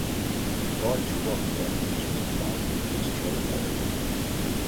Large rock fragments were found in the destroyed area.